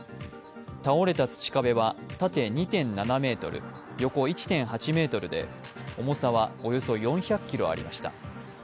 倒れた土壁は縦２．７ｍ、横１．８ｍで重さはおよそ４００ｋｇありました。